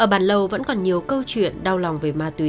ở bản lầu vẫn còn nhiều câu chuyện đau lòng về ma túy